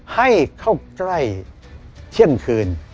ให้เข้าใกล้เที่ยงคืน